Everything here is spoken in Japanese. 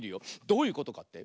どういうことかって？